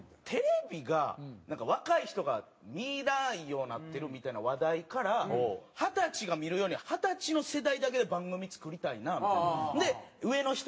テレビがなんか若い人が見ないようになってるみたいな話題から二十歳が見るように二十歳の世代だけで番組作りたいなみたいな。